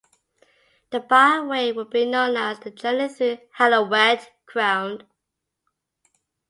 The byway will be known as the Journey Through Hallowed Ground.